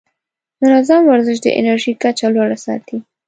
منظم ورزش د انرژۍ کچه لوړه ساتي.